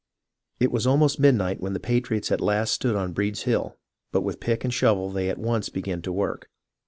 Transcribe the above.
It was almost midnight when the patriots at last stood on Breed's Hill, but with pick and shovel they at once began to work.